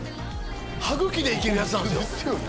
歯茎でいけるやつなんですよ